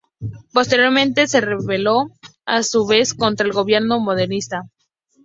Posteriormente, se rebeló a su vez contra el gobierno maderista.